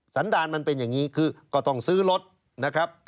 สันดารมันเป็นอย่างนี้คือก็ต้องซื้อรถนะครับ